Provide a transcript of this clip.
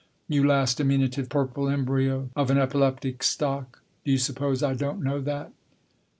" You last diminutive purple embryo of an epileptic stock, do you suppose I don't know that?